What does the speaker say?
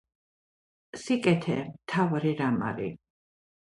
სიკეთე მთავარი რამ არი